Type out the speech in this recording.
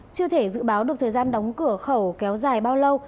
chưa thể dự báo được thời gian đóng cửa khẩu kéo dài bao lâu